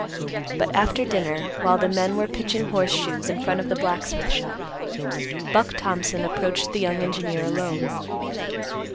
But after dinner, while the men were pitching horse shoes in front of the blacksmith shop, Buck Thompson approached the young engineer alone.